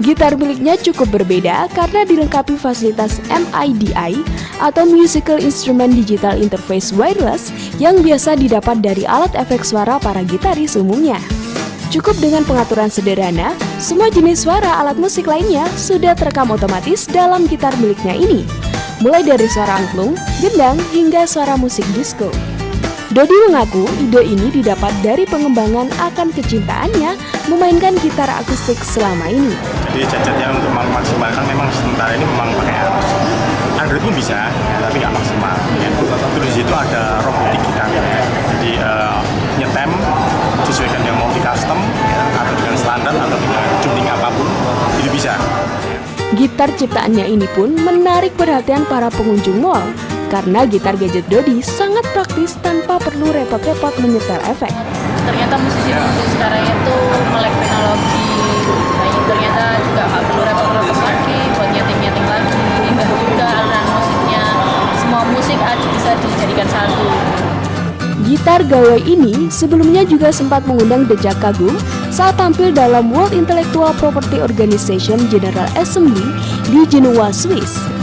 gitar gawai ini sebelumnya juga sempat mengundang becak kagum saat tampil dalam world intellectual property organization general assembly di genoa swiss